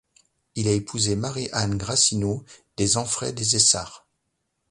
Il a épousé Marie-Anne Grassineau des Enfrais des Éssarts.